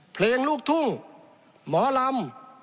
เพลงลูกทุ่งหมอลำ